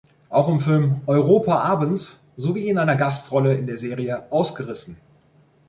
Auch im Film "Europa, abends" sowie in einer Gastrolle in der Serie "Ausgerissen!